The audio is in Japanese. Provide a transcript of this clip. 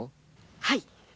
はい。